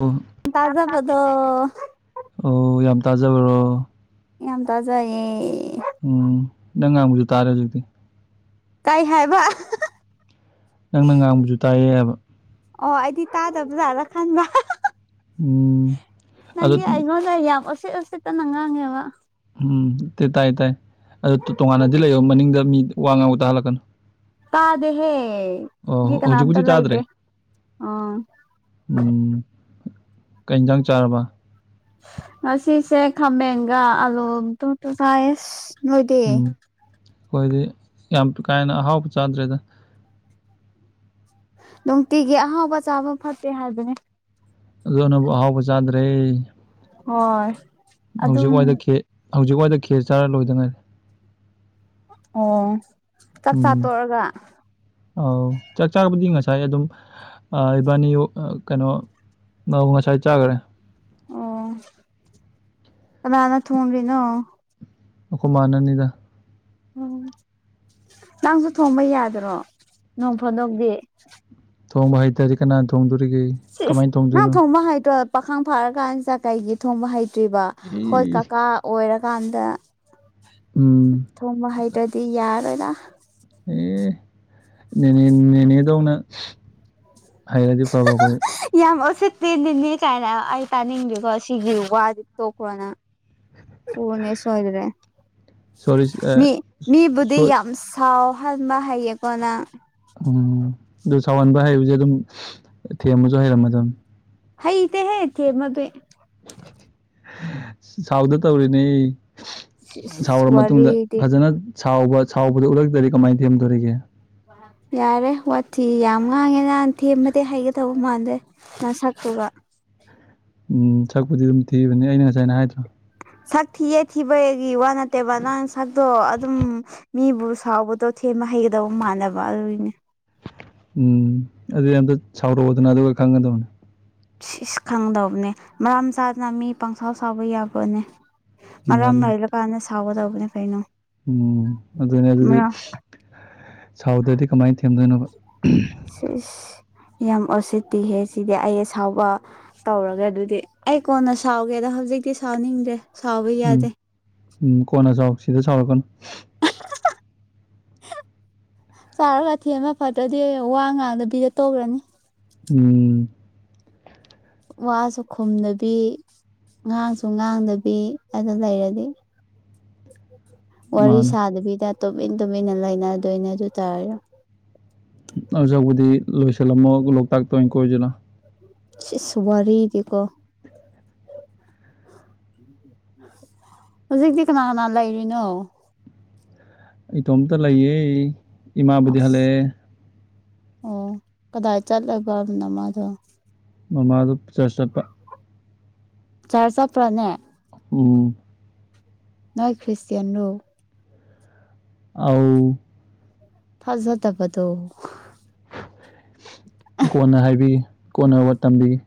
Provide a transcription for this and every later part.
ꯑꯣ ꯇꯥꯖꯕꯗꯣ [unintelligible] ꯑꯣ ꯌꯥꯝ ꯇꯥꯖꯕ꯭ꯔꯣ ꯌꯥꯝ ꯇꯥꯖꯩꯌꯦ ꯎꯝ ꯅꯪ ꯉꯥꯡꯕꯁꯨ ꯇꯥꯔꯦ ꯍꯧꯖꯤꯛꯇꯤ ꯀꯩ ꯍꯥꯏꯕ ꯅꯪꯅ ꯉꯥꯡꯕꯁꯨ ꯇꯥꯏꯌꯦ ꯍꯥꯏꯕ ꯑꯣ ꯑꯩꯗꯤ ꯇꯥꯗꯕꯖꯥꯠꯂ ꯈꯟꯕ ꯎꯝ ꯅꯪꯗꯤ ꯑꯗꯣ ꯑꯩꯉꯣꯟꯗ ꯌꯥꯝ ꯎꯁꯤꯠ ꯎꯁꯤꯠꯇꯅ ꯉꯥꯡꯉꯦꯕ ꯎꯝ ꯇꯥꯏ ꯇꯥꯏ ꯑꯗꯨ ꯇꯣꯉꯥꯟꯅꯗꯤ ꯂꯩꯌꯣ ꯃꯅꯤꯡꯗ ꯃꯤ ꯋꯥ ꯉꯥꯡꯕ ꯇꯥꯍꯜꯂꯛꯀꯅꯨ ꯇꯥꯗꯦꯍꯦ ꯃꯤ ꯑꯣ ꯀꯅꯥꯝꯇ ꯍꯧꯖꯤꯛꯄꯨꯗꯤ ꯇꯥꯗ꯭ꯔꯦ ꯂꯩꯇꯦ ꯑ ꯎꯝ ꯀꯩꯍꯦꯟꯁꯥꯡ ꯆꯥꯔꯕ ꯉꯁꯤꯁꯦ ꯈꯥꯃꯦꯟꯒ ꯑꯂꯨ ꯃꯇꯨꯝ ꯇꯨꯝ ꯆꯥꯏꯌꯦ ꯑꯁ ꯅꯣꯏꯗꯤ ꯎꯝ ꯈꯣꯏꯗꯤ ꯌꯥꯝ ꯀꯥꯍꯦꯟꯅ ꯑꯍꯥꯎꯕ ꯆꯥꯗ꯭ꯔꯦꯗ ꯅꯨꯡꯇꯤꯒꯤ ꯑꯍꯥꯎꯕ ꯆꯥꯕ ꯐꯠꯇꯦ ꯍꯥꯏꯕꯅꯦ ꯑꯗꯨꯅꯕꯨ ꯑꯍꯥꯎꯕ ꯆꯥꯗ꯭ꯔꯦ ꯍꯣꯏ ꯍꯧꯖꯤꯛ ꯑꯗꯨꯝ ꯋꯥꯏꯗ ꯈꯦ ꯍꯧꯖꯤꯛꯋꯥꯏꯗ ꯈꯦꯔ ꯆꯥꯔ ꯂꯣꯏꯗ ꯉꯥꯏꯔꯤ ꯑꯣ ꯆꯥꯛꯆꯥꯥ ꯎꯝ ꯇꯣꯛꯑꯒ ꯑꯧ ꯆꯥꯛ ꯆꯥꯕꯗꯤ ꯉꯁꯥꯏ ꯑꯗꯨꯝ ꯏꯕꯥꯅꯤ ꯀꯩꯅꯣ ꯑꯧ ꯉꯁꯥꯏ ꯆꯥꯒꯔꯦ ꯑꯣ ꯀꯅꯅꯥ ꯊꯣꯡꯔꯤꯅꯣ ꯑꯈꯣꯏ ꯃꯥꯅꯅꯤꯗ ꯎꯝ ꯅꯪꯁꯨ ꯊꯣꯡꯕ ꯌꯥꯗ꯭ꯔꯣ ꯅꯣꯡ ꯐꯥꯗꯣꯛꯇꯤ ꯊꯣꯡꯕ ꯍꯩꯇꯔꯗꯤ ꯀꯅꯥꯟ ꯊꯣꯡꯗꯣꯔꯤꯒꯦ ꯀꯃꯥꯏꯅ ꯊꯣꯡꯗꯣꯏꯅꯣ ꯃꯥ ꯍꯩꯇ꯭ꯔꯣ ꯄꯥꯈꯡ ꯐꯥꯔꯀꯥꯟꯆꯥ ꯀꯩꯒꯤ ꯊꯣꯡꯕ ꯍꯩꯇ꯭ꯔꯤꯕ ꯈꯣꯏ ꯑꯦ ꯀꯀꯥ ꯑꯣꯏꯔꯀꯥꯟꯗ ꯎꯝ ꯊꯣꯡꯕ ꯍꯩꯇ꯭ꯔꯗꯤ ꯌꯥꯔꯣꯏꯗ ꯑꯦ ꯅꯦꯅꯦ ꯅꯦꯅꯦꯗꯧꯅ ꯍꯩꯔꯗꯤ ꯐꯕ ꯑꯩꯈꯣꯏꯖꯨ ꯌꯥꯝ ꯑꯣꯁꯤꯠꯇꯦ ꯅꯦꯅꯦꯀꯥꯏꯅ ꯑꯩ ꯇꯥꯅꯤꯡꯗꯦꯀꯣ ꯁꯤꯒꯤ ꯋꯥꯁꯦ ꯇꯣꯛꯈ꯭ꯔꯣ ꯅꯪ ꯐꯨꯒꯅꯦ ꯁꯣꯏꯗꯔꯦ ꯁꯣꯔꯤ ꯑ ꯃꯤ ꯃꯤꯕꯨꯗꯤ ꯁꯣꯏ ꯌꯥꯝꯁ ꯁꯥꯎ ꯍꯟꯕ ꯍꯩꯌꯦꯀꯣ ꯅꯪ ꯎꯝ ꯗꯨ ꯁꯥꯎꯍꯟꯕ ꯍꯥꯏꯕꯁꯦ ꯑꯗꯨꯝ ꯊꯦꯝꯕꯖꯨ ꯍꯩꯔꯃꯗꯝ ꯍꯩꯇꯦꯍꯦ ꯊꯦꯃꯕꯗꯤ ꯁꯥꯎꯗ ꯇꯧꯔꯤꯅꯦ ꯁꯤꯁ ꯁꯥꯎꯔ ꯃꯇꯨꯡꯗ ꯋꯥꯔꯤꯗꯤ ꯐꯖꯅ ꯁꯥꯎꯕ ꯁꯥꯎꯕꯗꯨ ꯎꯠꯂꯛꯇꯗꯤ ꯀꯃꯥꯏꯅ ꯊꯦꯝꯗꯣꯔꯤꯒꯦ ꯌꯥꯔꯦ ꯋꯥꯊꯤ ꯌꯥꯝ ꯉꯥꯡꯉꯦꯅ ꯊꯦꯝꯕꯗꯤ ꯍꯩꯒꯗꯧꯕ ꯃꯥꯟꯗꯦ ꯅꯁꯛꯇꯨꯒ ꯎꯝ ꯁꯛꯄꯨꯗꯤ ꯑꯗꯨꯝ ꯊꯤꯕꯅꯦ ꯑꯩꯅ ꯉꯁꯥꯏꯅ ꯍꯥꯏꯗ꯭ꯔꯣ ꯁꯛ ꯊꯤꯌꯦ ꯊꯤꯕꯒꯤ ꯋꯥ ꯅꯠꯇꯦꯕ ꯅꯪ ꯁꯛꯇꯣ ꯑꯗꯨꯝ ꯃꯤꯕꯨ ꯁꯥꯎꯕꯗꯣ ꯊꯦꯝ ꯍꯩꯒꯗꯧꯕ ꯃꯥꯟꯅꯕ ꯑꯗꯨꯒꯤꯅꯦ ꯎꯝ ꯑꯗꯨꯗꯤ ꯑꯝꯇ ꯁꯥꯎꯔꯛꯑꯣꯗꯅ ꯑꯗꯨꯒ ꯈꯪꯒꯗꯕꯅꯦ ꯁꯤ ꯏꯁ ꯈꯪꯗꯧꯕꯅꯦ ꯃꯔꯝ ꯆꯥꯗꯅ ꯃꯤ ꯄꯪꯁꯥꯎ ꯁꯥꯎꯕ ꯌꯥꯕ꯭ꯔꯣꯅꯦ ꯎꯝ ꯃꯔꯝ ꯑꯗꯨ ꯂꯩꯔꯀꯥꯟꯗ ꯁꯥꯎꯒꯗꯧꯕꯅꯦ ꯀꯩꯅꯣ ꯎꯝ ꯑꯗꯨꯅꯦ ꯑꯗꯨꯗꯤ ꯃꯔꯝ ꯁꯥꯎꯗꯗꯤ ꯀꯃꯥꯏꯟ ꯊꯦꯝꯗꯣꯏꯅꯣꯕ ꯁꯤꯁ ꯌꯥꯝ ꯑꯣꯁꯤꯠꯇꯤꯍꯦ ꯁꯤꯗꯤ ꯑꯩ ꯑꯁꯥꯎꯕ ꯇꯧꯔꯒꯦ ꯑꯗꯨꯗꯤ ꯑꯩ ꯀꯣꯟꯅ ꯁꯥꯎꯒꯦꯗ ꯍꯧꯖꯤꯛꯇꯤ ꯁꯥꯎꯅꯤꯗꯦ ꯁꯥꯎꯕ ꯎꯝ ꯌꯥꯗꯦ ꯎꯝ ꯀꯣꯟꯅ ꯁꯥꯎ ꯁꯤꯗ ꯁꯥꯎꯔꯛꯀꯅꯨ ꯆꯥꯔꯒ ꯊꯦꯝꯃ ꯐꯠꯇ꯭ꯔꯗꯤ ꯋꯥ ꯉꯥꯡꯗꯕꯤꯗ ꯇꯣꯛꯈ꯭ꯔꯅꯤ ꯎꯝ ꯋꯥꯁꯨ ꯈꯨꯝꯗꯕꯤ ꯉꯥꯡꯁꯨ ꯉꯥꯡꯗꯕꯤ ꯑꯗꯨ ꯂꯩꯔꯗꯤ ꯋꯥꯔꯤ ꯃꯥꯅꯦ ꯁꯥꯗꯕꯤꯗ ꯇꯨꯃꯤꯟ ꯇꯨꯃꯤꯟꯅ ꯂꯩꯅꯗꯣꯏꯅꯦ ꯑꯗꯨ ꯇꯥꯔꯦ ꯑꯗꯨ ꯁꯔꯨꯛꯄꯨꯗꯤ ꯂꯣꯏꯁꯤꯜꯂꯝꯃꯣ ꯂꯣꯛꯇꯥꯛꯇ ꯑꯣꯏ ꯀꯣꯏꯔꯨꯖꯤꯅ ꯏꯁ ꯏꯁ ꯋꯥꯔꯤꯗꯤꯀꯣ ꯍꯧꯖꯤꯛꯇꯤ ꯀꯅꯥ ꯀꯅꯥ ꯂꯩꯔꯤꯅꯣ ꯑꯩ ꯏꯇꯣꯝꯇ ꯂꯩꯌꯦ ꯏꯃꯥꯕꯨꯗꯤ ꯑꯁ ꯍꯜꯂꯛꯑꯦ ꯑꯣ ꯀꯗꯥꯏ ꯆꯠꯂꯕ ꯅꯃꯥꯗꯣ ꯃꯃꯥꯗꯣ ꯆꯔꯁ ꯆꯠꯄ ꯆꯔꯁ ꯆꯠꯄ꯭ꯔꯥꯅꯦ ꯎꯝ ꯅꯣꯏ ꯈ꯭ꯔꯤꯁꯇ꯭ꯌꯥꯟꯔꯣ ꯑꯥꯎ ꯊꯥꯖꯗꯕꯗꯣ ꯀꯣꯟꯅ ꯍꯥꯏꯕꯤꯒꯦ ꯀꯣꯟꯅ ꯋꯥ ꯇꯝꯕꯤꯒꯦ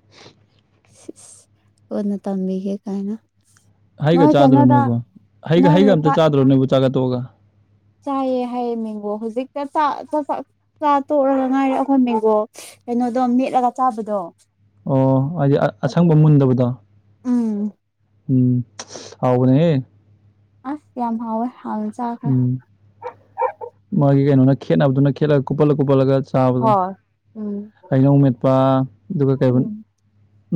ꯀꯣꯟꯅ ꯇꯝꯕꯤꯒꯦ ꯀꯥꯏꯅ ꯍꯩꯒ ꯅꯣꯏ ꯆꯥꯗ꯭ꯔꯣ ꯀꯩꯅꯣꯗ ꯅꯣꯏꯕ ꯍꯩꯒ ꯅꯣꯏ ꯍꯩꯒ ꯑꯝꯇ ꯂꯩꯀꯥꯏ ꯆꯥꯗ꯭ꯔꯣ ꯅꯣꯏꯕꯨ ꯆꯥꯛ ꯆꯥ ꯇꯣꯛꯑꯒ ꯆꯥꯏꯌꯦ ꯍꯩ ꯃꯦꯡꯒꯣ ꯍꯧꯖꯤꯛꯇ ꯆꯥ ꯆꯥꯛ ꯆꯥ ꯆꯥ ꯇꯣꯛꯔꯒ ꯉꯥꯏꯔꯦ ꯑꯩꯈꯣꯏ ꯃꯦꯡꯒꯣ ꯀꯩꯅꯣꯗꯣ ꯃꯦꯠꯂꯒ ꯆꯥꯕꯗꯣ ꯑꯣ ꯍꯥꯏꯗꯤ ꯑ ꯑꯁꯪꯕ ꯃꯨꯟꯗꯕꯗꯣ ꯎꯝ ꯎꯝ ꯍꯥꯎꯕꯅꯤꯍꯦ ꯑꯥ ꯌꯥꯝ ꯍꯥꯎꯋꯦ [unintelligible] ꯎꯝ ꯃꯥꯒꯤ ꯀꯩꯅꯣꯅ ꯈꯦꯠꯅꯕꯗꯨꯅ ꯈꯦꯠꯂꯒ ꯀꯨꯞꯄꯜꯂ ꯀꯨꯞꯄꯜꯂꯒ ꯆꯥꯕꯗꯣ ꯍꯣꯏ ꯎꯝ ꯍꯩꯅꯧ ꯃꯦꯠꯄ ꯑꯗꯨꯒ ꯀꯩꯕ ꯎꯝ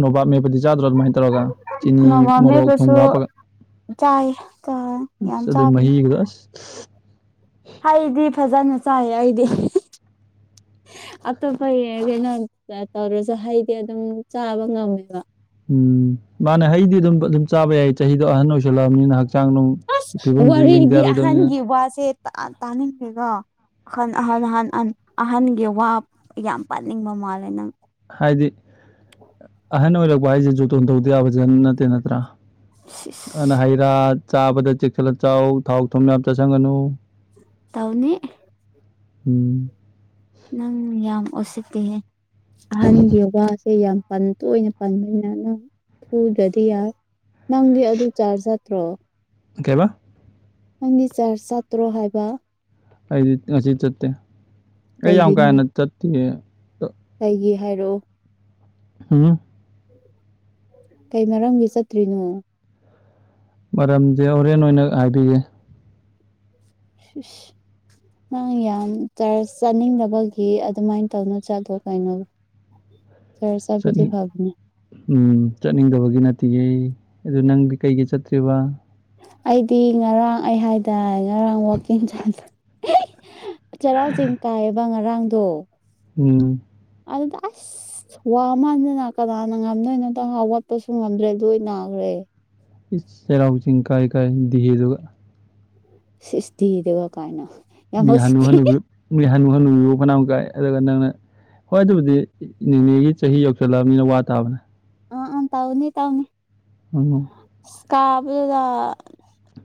ꯅꯣꯕꯥꯞ ꯃꯦꯄꯗꯤ ꯆꯥꯗ꯭ꯔꯣ ꯑꯗꯨꯃꯥꯏꯅ ꯇꯧꯔꯒ ꯆꯤꯅꯤ ꯅꯣꯡꯃ ꯃꯣꯔꯣꯛ ꯊꯨꯝꯒꯥ ꯃꯦꯠꯄꯁꯨ ꯍꯥꯞꯄꯒ ꯆꯥꯏ ꯌꯥꯝ ꯑꯁ ꯑꯗꯨ ꯆꯥꯕꯅꯦ ꯃꯍꯤꯒꯗꯣ ꯑꯁ [inaudible] ꯍꯩꯗꯤ ꯐꯖꯅ ꯆꯥꯏꯌꯦ ꯑꯩꯗꯤ ꯑꯇꯣꯞꯄ ꯌꯦꯡ ꯀꯩꯅꯣ ꯑꯥ ꯇꯧꯗ꯭ꯔꯁꯨ ꯍꯩꯗꯤ ꯑꯗꯨꯝ ꯆꯥꯕ ꯉꯝꯃꯦꯕ ꯎꯝ ꯃꯥꯅꯦ ꯍꯩꯗꯤ ꯑꯗꯨꯝ ꯑꯗꯨꯝ ꯆꯥꯕ ꯌꯥꯏ ꯆꯍꯤꯗꯣ ꯑꯍꯟ ꯑꯣꯏꯁꯜꯂꯛꯑꯕꯅꯤꯅ ꯍꯛꯆꯥꯡ ꯅꯨꯡ ꯑꯁ ꯐꯤꯕꯝꯁꯨ ꯌꯦꯡꯗ ꯋꯥꯔꯤꯗꯤ ꯌꯥꯔꯣꯏꯗꯕꯅꯤꯅ ꯑꯍꯟꯒꯤ ꯋꯥꯁꯦ ꯇꯥ ꯇꯥꯅꯤꯡꯗꯦꯀꯣ ꯑꯍꯟ ꯑꯍꯟ ꯑꯍꯥꯟ ꯑꯍꯟ ꯑꯍꯟꯒꯤ ꯋꯥ ꯌꯥꯝ ꯄꯟꯅꯤꯡꯕ ꯃꯥꯜꯂꯦ ꯅꯪ ꯍꯥꯏꯗꯤ ꯑꯍꯟ ꯑꯣꯏꯔꯛꯄ ꯍꯥꯏꯁꯦ ꯖꯣꯇꯣꯟ ꯇꯧꯗ ꯌꯥꯕꯖꯥꯠ ꯅꯠꯇꯦ ꯅꯠꯇ꯭ꯔꯥ ꯁꯤ ꯏꯁ ꯑꯅ ꯍꯩꯔꯥ ꯆꯥꯕꯗ ꯆꯦꯛꯁꯤꯜꯂ ꯆꯥꯎ ꯊꯥꯎ ꯊꯨꯝ ꯌꯥꯝ ꯆꯥꯁꯤꯟꯒꯅꯨ ꯇꯧꯅꯤ ꯎꯝ ꯅꯪ ꯌꯥꯝ ꯎꯁꯤꯠꯇꯦꯍꯦ ꯑꯍꯟꯒꯤ ꯋꯥꯁꯦ ꯌꯥꯝ ꯄꯟ ꯇꯣꯏꯅ ꯄꯟꯕꯅꯤꯅ ꯅꯪ ꯐꯨꯗ꯭ꯔꯗꯤ ꯌꯥꯏ ꯅꯪꯗꯤ ꯑꯗꯨ ꯆꯥꯔꯁ ꯆꯠꯇ꯭ꯔꯣ ꯑ ꯀꯩꯕ ꯅꯪꯗꯤ ꯆꯔꯁ ꯆꯠꯇ꯭ꯔꯣ ꯍꯥꯏꯕ ꯑꯩꯗꯤ ꯉꯁꯤ ꯆꯠꯇꯦ ꯑꯩ ꯌꯥꯝ ꯀꯥ ꯀꯩꯒꯤꯅꯣ ꯍꯦꯟꯅ ꯆꯠꯇꯦ ꯀꯩꯒꯤ ꯍꯥꯏꯔꯛꯑꯣ ꯍꯝ ꯀꯩ ꯃꯔꯝꯒꯤ ꯆꯠꯇ꯭ꯔꯤꯅꯣ ꯃꯔꯝꯖꯦ ꯍꯣꯔꯦꯟ ꯑꯣꯏꯅ ꯍꯥꯏꯕꯤꯒꯦ ꯁꯤꯁ ꯁꯤ ꯅꯪ ꯌꯥꯝ ꯆꯔꯁ ꯆꯠꯅꯤꯡꯗꯕꯒꯤ ꯑꯗꯨꯃꯥꯏꯅ ꯇꯧꯅꯣ ꯆꯠꯂꯣ ꯀꯩꯅꯣ [unintelligible] ꯆꯔꯁ ꯆꯠꯄꯗꯤ ꯆꯠꯅꯤꯡ ꯐꯕꯅꯦ ꯎꯝ ꯆꯠꯅꯤꯡꯗꯕꯒꯤ ꯅꯠꯇꯤꯌꯦ ꯑꯗꯨ ꯅꯪꯗꯤ ꯀꯩꯒꯤ ꯆꯠꯇ꯭ꯔꯤꯕ ꯑꯩꯗꯤ ꯉꯔꯥꯡ ꯑꯩ ꯍꯥꯏꯗꯥꯏ ꯉꯔꯥꯡ ꯋꯥꯛꯀꯤꯡ ꯆꯠꯂꯨꯏ ꯆꯩꯔꯥꯎꯆꯤꯡ ꯀꯥꯏꯌꯦꯕ ꯉꯔꯥꯡꯗꯣ ꯎꯝ ꯑꯗꯨꯗ ꯑꯥꯁ ꯋꯥ ꯃꯟꯗꯅ ꯀꯅꯥꯅ ꯉꯝꯗꯣꯏꯅꯣꯗ ꯍꯥꯎꯒꯠ ꯄꯁꯨ ꯉꯝꯗ꯭ꯔꯦ ꯂꯣꯏ ꯅꯥꯒ꯭ꯔꯦ ꯏꯁ ꯆꯩꯔꯥꯎ ꯆꯤꯡ ꯀꯥꯏ ꯀꯥꯏꯅ ꯗꯤꯍꯦꯗꯨꯒ ꯁꯤꯁ ꯇꯤꯌꯦꯗꯨꯒ ꯀꯥꯏꯅ ꯌꯥꯝ ꯃꯤ ꯍꯅꯨ ꯎꯁꯤꯠꯇꯦ ꯍꯅꯨꯕꯤ ꯃꯤ ꯍꯅꯨ ꯍꯅꯨꯕꯤ ꯐꯥꯎ ꯐꯅꯌꯥꯝ ꯀꯥꯏ ꯑꯗꯨꯒ ꯅꯪꯅ ꯍꯣꯏ ꯑꯗꯨꯕꯨꯗꯤ ꯅꯤꯅꯦꯒꯤ ꯆꯍꯤ ꯌꯧꯁꯤꯜꯂꯛꯑꯕꯅꯤꯅ ꯋꯥ ꯇꯥꯕꯅꯦ ꯑꯥ ꯑꯥ ꯇꯥꯎꯅꯤ ꯇꯥꯎꯅꯤ ꯎꯝ ꯁ꯭ꯀꯥꯕꯗꯨꯗ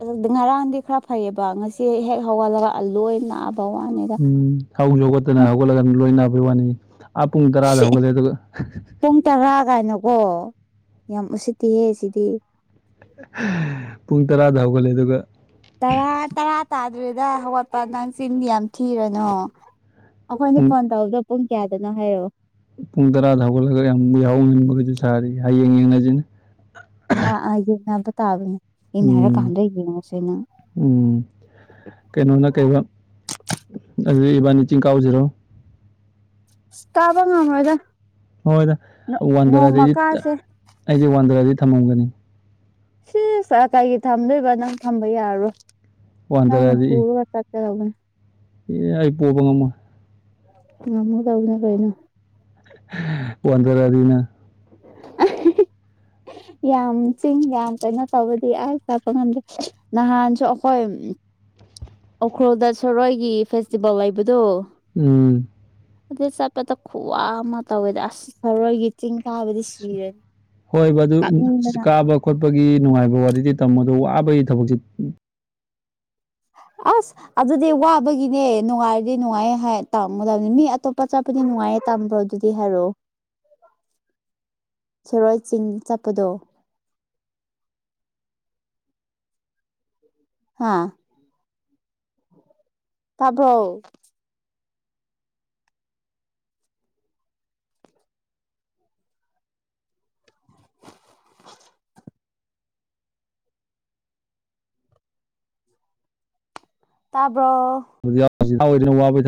ꯑꯗꯨꯕꯨꯗꯤ ꯉꯔꯥꯡꯗꯤ ꯈ꯭ꯔ ꯐꯩꯑꯦꯕ ꯉꯁꯤ ꯍꯦꯛ ꯍꯧꯒꯠꯂꯒ ꯑꯂꯣꯏ ꯅꯥꯕ ꯋꯥꯅꯦꯗ ꯎꯝ ꯍꯧꯁꯨ ꯍꯧꯒꯠꯇꯅ ꯍꯧꯒꯠꯂꯒ ꯂꯣꯏꯅ ꯅꯥꯕꯩ ꯋꯥꯅꯦꯌꯦ ꯑꯥ ꯄꯨꯡ ꯇꯔꯥꯗ ꯁꯤ ꯍꯧꯒꯠꯂꯦ ꯑꯗꯨꯒ ꯄꯨꯡ ꯇꯔꯥ ꯀꯥꯏꯅꯀꯣ ꯌꯥꯝ ꯎꯁꯤꯠꯇꯤꯌꯦ ꯁꯤꯗꯤ ꯄꯨꯡ ꯇꯔꯥꯗ ꯍꯧꯒꯠꯂꯦ ꯑꯗꯨꯒ ꯇꯔꯥ ꯇꯔꯥ ꯇꯥꯗ꯭ꯔꯤꯗ ꯍꯧꯒꯠꯄ ꯅꯪ ꯆꯤꯟꯗꯤ ꯌꯥꯝ ꯊꯤꯔꯅꯣ ꯑꯩꯈꯣꯏꯅꯤ ꯄꯨꯡ ꯐꯣꯟ ꯇꯧꯕꯗꯣ ꯄꯨꯡ ꯀꯌꯥꯗꯅꯣ ꯍꯥꯏꯔꯛꯑꯣ ꯄꯨꯡ ꯇꯔꯥꯗ ꯍꯧꯒꯠꯂꯒ ꯌꯥꯝ ꯌꯥꯍꯧꯉꯟꯕꯒꯁꯨ ꯁꯥꯔꯤꯌꯦ ꯍꯌꯦꯡ ꯌꯦꯡꯅꯁꯤꯅꯦ ꯑꯥ ꯑꯥ ꯌꯦꯡꯅꯕ ꯇꯥꯕꯅꯦ ꯌꯦꯡꯅꯔ ꯎꯝ ꯀꯥꯟꯗ ꯌꯦꯡꯉꯁꯦ ꯅꯪ ꯎꯝ ꯀꯩꯅꯣꯅ ꯀꯩꯕ ꯑꯗꯨꯗꯤ ꯏꯕꯥꯟꯅꯤ ꯆꯤꯡ ꯀꯥꯎꯖꯤꯔꯣ ꯀꯥꯕ ꯉꯝꯃꯣꯏꯗ ꯍꯣꯏꯗ ꯋꯥꯟꯗꯔꯗꯤ ꯅꯣꯡꯃ ꯀꯥꯁꯦ ꯑꯩꯗꯤ ꯋꯥꯟꯗꯔꯗꯤ ꯊꯝꯃꯝꯒꯅꯤ ꯁꯤꯁ ꯀꯩꯒꯤ ꯊꯝꯗꯣꯏꯕ ꯅꯪ ꯊꯝꯕ ꯌꯥꯔꯣꯏ ꯅꯪꯅ ꯋꯥꯟꯗꯔꯗꯤ ꯄꯨꯔꯒ ꯆꯠꯀꯗꯧꯕꯅꯦ ꯑꯦ ꯑꯩ ꯄꯨꯕ ꯉꯝꯃꯣꯏ ꯉꯝꯒꯗꯧꯕꯅꯦ ꯀꯩꯅꯣ ꯋꯥꯟꯗꯔꯗꯤ ꯅꯪ ꯑꯥ ꯍꯥꯍꯦ ꯌꯥꯝ ꯆꯤꯡ ꯌꯥꯝ ꯀꯩꯅꯣ ꯇꯧꯕꯗꯤ ꯑꯩ ꯆꯠꯄ ꯉꯝꯗꯦ ꯅꯍꯥꯟꯁꯨ ꯑꯈꯣꯏ ꯎꯈ꯭ꯔꯨꯜꯗ ꯁꯔꯣꯢꯒꯤ ꯐꯦꯁꯇꯤꯚꯦꯜ ꯂꯩꯕꯗꯣ ꯎꯝ ꯑꯗꯨ ꯆꯠꯄꯗ ꯈꯨꯋꯥ ꯑꯃ ꯇꯧꯋꯦꯗ ꯑꯁ ꯁꯔꯣꯢꯒꯤ ꯆꯤꯡ ꯀꯥꯕꯗꯤ ꯁꯤꯔꯅꯤ ꯍꯣꯏꯕ ꯑꯗꯨ ꯀꯥꯞꯅꯤꯡꯕꯅ ꯀꯥꯕ ꯈꯣꯠꯄꯒꯤ ꯅꯨꯡꯉꯥꯏꯕ ꯋꯥꯔꯤꯗꯤ ꯇꯝꯃꯣ ꯑꯗꯣ ꯋꯥꯕꯒꯤ ꯊꯕꯛꯁꯦ ꯑꯁ ꯑꯗꯨꯗꯤ ꯋꯥꯕꯒꯤꯅꯦ ꯅꯨꯡꯉꯥꯏꯔꯗꯤ ꯅꯨꯡꯉꯥꯏꯌꯦ ꯍꯥꯏ ꯇꯝꯒꯗꯕꯅꯤ ꯃꯤ ꯑꯇꯣꯞꯄ ꯆꯠꯄꯗꯤ ꯅꯨꯡꯉꯥꯏꯌꯦ ꯇꯝꯕ꯭ꯔꯣ ꯑꯗꯨꯗꯤ ꯍꯥꯏꯔꯣ [inaudible] ꯁꯤꯔꯣꯢ ꯆꯤꯡ ꯆꯠꯄꯗꯣ ꯍꯥꯥ ꯇꯥꯕ꯭ꯔꯣ ꯇꯥꯕ꯭ꯔꯣ ꯋꯥꯕꯩ ꯊꯕꯛ